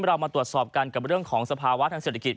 เรามาตรวจสอบกันกับสภาวะทางเศรษฐกิจ